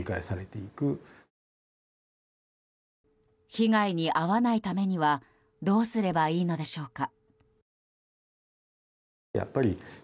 被害に遭わないためにはどうすればいいのでしょうか。